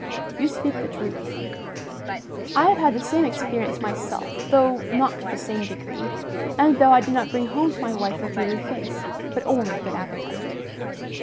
You speak the truth. I have had the same experience myself, though not to the same degree, and though I did not bring home to my wife a dreary face, but only a good appetite.